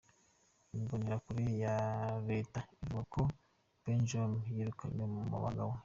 Imboneshakure ya reta ivuga ko Bojang yirukanywe mu mabanga yiwe.